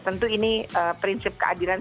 tentu ini prinsip keadilan